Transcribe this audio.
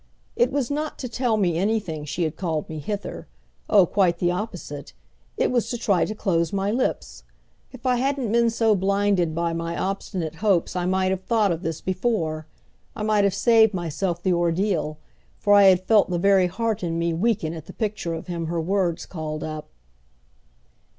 It was not to tell me anything she had called me hither oh, quite the opposite! it was to try to close my lips. If I hadn't been so blinded by my obstinate hopes I might have thought of this before! I might have saved myself the ordeal; for I had felt the very heart in me weaken at the picture of him her words called up.